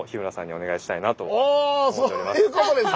あそういうことですか。